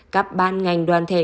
các ban ngành đoàn thể